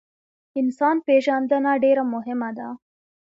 انسان پیژندنه ډیره مهمه ده